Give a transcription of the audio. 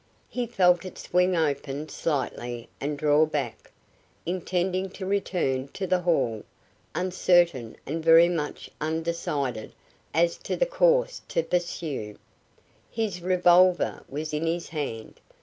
He felt it swing open slightly and drew back, intending to return to the hall, uncertain and very much undecided as to the course to pursue. His revolver was in his hand.